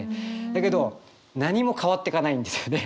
だけど何も変わってかないんですよね。